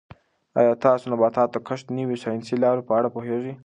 آیا تاسو د نباتاتو د کښت د نویو ساینسي لارو په اړه پوهېږئ؟